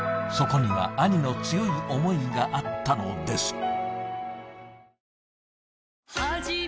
そこには兄の強い思いがあったのです